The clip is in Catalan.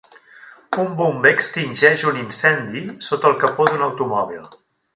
Un bomber extingeix un incendi sota el capó d'un automòbil